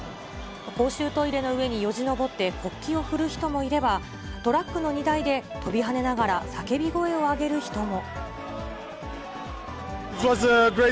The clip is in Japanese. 公衆トイレの上によじ登って国旗を振る人もいれば、トラックの荷台で飛び跳ねながら、叫び声を上げる人も。